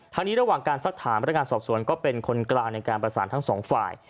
ทั้งนี้ระหว่างการสักถามพนักงานสอบสวนก็เป็นคนกลางในการประสานทั้งสองฝ่าย